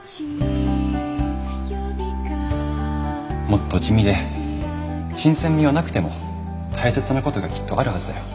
もっと地味で新鮮味はなくても大切なことがきっとあるはずだよ。